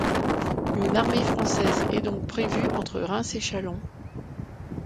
Une armée française est donc prévue entre Reims et Châlons.